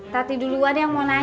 tati dulu ada yang mau nanya